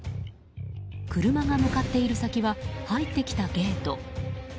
車が向かっている先は入ってきたゲート。